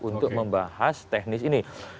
untuk membahas teknis ini